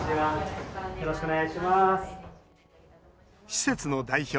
施設の代表